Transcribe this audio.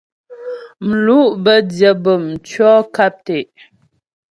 Mlu' bə́ dyə bûm tʉɔ̂ nkap tɛ'.